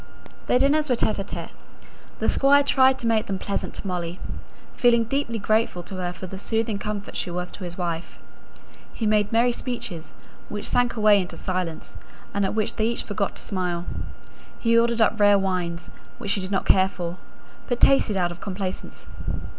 Their dinners were tÉte ł tÉte. The Squire tried to make them pleasant to Molly, feeling deeply grateful to her for the soothing comfort she was to his wife. He made merry speeches, which sank away into silence, and at which they each forgot to smile. He ordered up rare wines, which she did not care for, but tasted out of complaisance.